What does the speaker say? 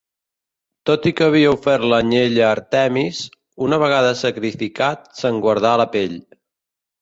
Tot i que havia ofert l'anyell a Àrtemis, una vegada sacrificat se'n guardà la pell.